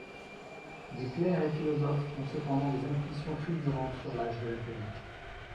Des clercs et philosophes ont cependant des intuitions fulgurantes sur l'âge de la Terre.